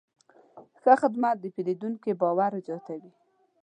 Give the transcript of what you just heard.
ښه خدمت د پیرودونکي باور زیاتوي.